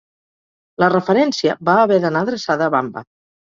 La referència va haver d'anar adreçada a Vamba.